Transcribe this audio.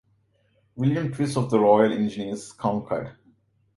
Wiliam Twiss of the Royal Engineers concurred.